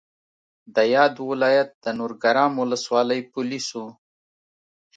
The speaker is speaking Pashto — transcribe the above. د یاد ولایت د نورګرام ولسوالۍ پولیسو